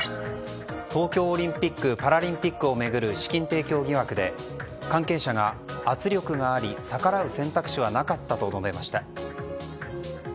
東京オリンピック・パラリンピックを巡る資金提供疑惑で関係者が圧力があり逆らう選択肢はなかったと述べました。